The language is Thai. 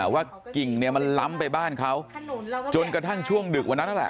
ว่ากิ่งมันล้ำไปบ้านเขาจนกระทั่งช่วงดึกวันนั้นแหละ